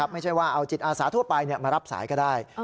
ไม่ใช่ว่าเอาจิตอาสาทั่วไปมารับสายก็ได้